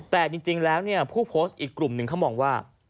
แต่จริงแล้วผู้โพสต์อีกกลุ่มหนึ่งเขามองว่า